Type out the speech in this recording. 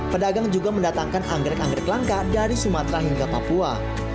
pedagang juga mendatangkan anggrek anggrek langka dari sumatera hingga papua